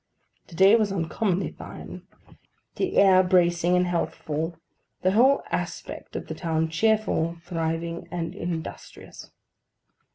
The day was uncommonly fine; the air bracing and healthful; the whole aspect of the town cheerful, thriving, and industrious.